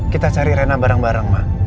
kita cari rena bareng bareng mah